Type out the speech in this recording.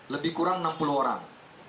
lebih kurang enam puluh orang